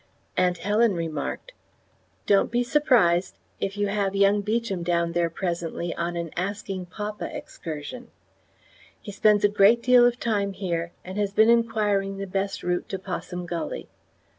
Aunt Helen remarked: Don't be surprised if you have young Beecham down there presently on an "asking papa" excursion. He spends a great deal of time here, and has been inquiring the best route to Possum Gully.